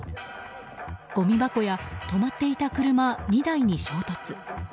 ごみ箱や止まっていた車２台に衝突。